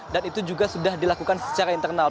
dan itu juga sudah dilakukan secara internal